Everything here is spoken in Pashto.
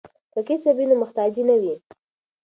که کسب وي نو محتاجی نه وي.